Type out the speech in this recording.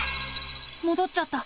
もどっちゃった。